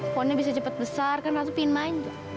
pohonnya bisa cepet besar kan ratu ingin manjat